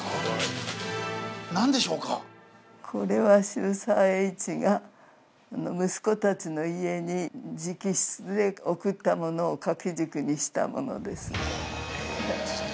これは渋沢栄一が息子たちの家に直筆で贈ったものを掛け軸にしたものです。